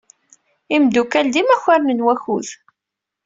Imeddukal d imakaren n wakud.